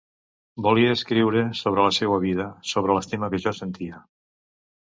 Volia escriure sobre la seua vida, sobre l’estima que jo sentia.